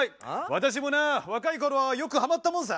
私もな若いころはよくハマったもんさ。